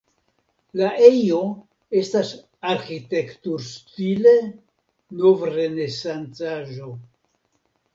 La ejo estas arĥitekturstile novrenesancaĵo.